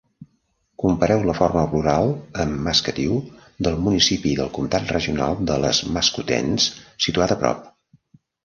Compareu la forma plural amb maskutew, del municipi del comtat regional de Les Maskoutains situat a prop.